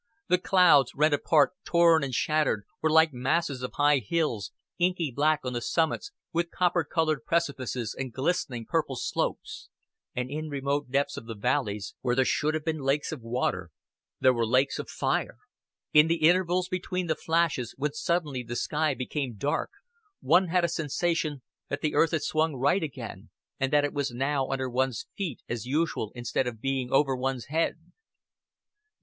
The clouds, rent apart, torn, and shattered, were like masses of high hills, inky black on the summits, with copper colored precipices and glistening purple slopes; and in remote depths of the valleys, where there should have been lakes of water, there were lakes of fire. In the intervals between the flashes, when suddenly the sky became dark, one had a sensation that the earth had swung right again, and that it was now under one's feet as usual instead of being over one's head.